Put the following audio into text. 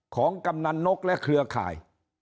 กำนันนกและเครือข่าย